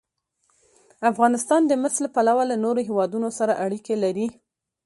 افغانستان د مس له پلوه له نورو هېوادونو سره اړیکې لري.